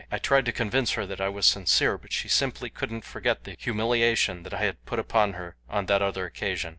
I tried to convince her that I was sincere, but she simply couldn't forget the humiliation that I had put upon her on that other occasion.